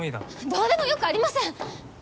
どうでもよくありません！